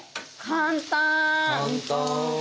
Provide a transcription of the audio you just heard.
簡単！